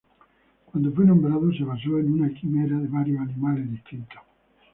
Cuando fue nombrado, se basó en una quimera de varios animales distintos.